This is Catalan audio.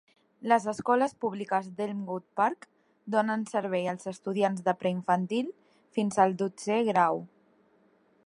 Les escoles públiques d'Elmwood Park donen servei als estudiants de preinfantil fins al dotzè grau.